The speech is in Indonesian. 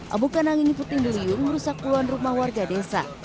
abukan angin puting beliung merusak puluhan rumah warga desa